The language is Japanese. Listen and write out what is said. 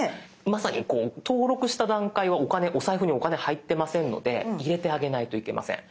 まさに登録した段階はおサイフにお金入ってませんので入れてあげないといけません。